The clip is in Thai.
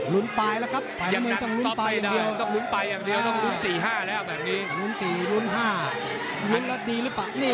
ลุ้นไปแล้วครับอย่างหนักต้องลุ้นไปอย่างเดียวต้องลุ้นไปอย่างเดียว